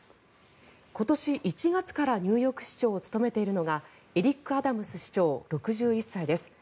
今年１月からニューヨーク市長を務めているのがエリック・アダムス市長６１歳です。